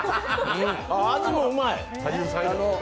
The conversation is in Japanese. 味もうまい。